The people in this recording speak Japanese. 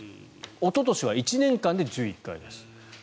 おととしは１年間で１１回です。